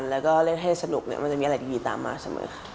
และเล่นให้มีสนุกขึ้นมีอะไรดีไปตามมาขึ้น